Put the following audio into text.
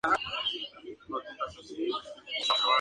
Se inició en la marina mercante, al lado de su padre.